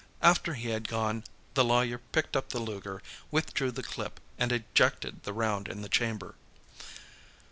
After he had gone, the lawyer picked up the Luger, withdrew the clip, and ejected the round in the chamber.